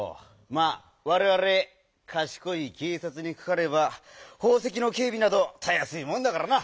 まあわれわれかしこいけいさつにかかればほうせきのけいびなどたやすいもんだからな！